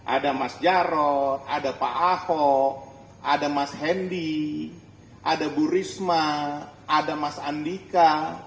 ada mas jarod ada pak ahok ada mas hendy ada bu risma ada mas andika